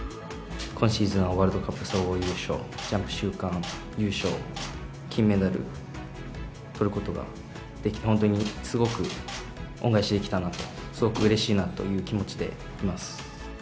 今シーズンはワールドカップ総合優勝、ジャンプ週間優勝、金メダルとることができて、本当にすごく恩返しできたなと、すごくうれしいなという気持ちでいます。